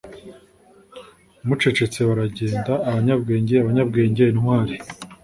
mucecetse baragenda, abanyabwenge, abanyabwenge, intwari